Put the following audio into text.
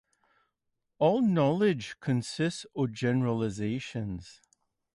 All knowledge consists of generalizations.